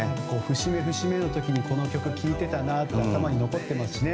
節目節目の時にこの曲聴いていたなと頭に残っていますよね。